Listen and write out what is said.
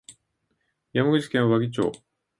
山口県和木町